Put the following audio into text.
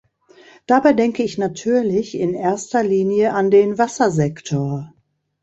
Dabei denke ich natürlich in erster Linie an den Wassersektor.